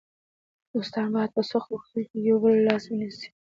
دوستان باید په سختو وختونو کې د یو بل لاس ونیسي.